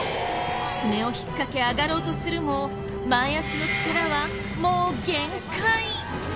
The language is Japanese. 爪を引っかけ上がろうとするも前脚の力はもう限界！